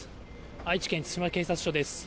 愛知県津島警察署です。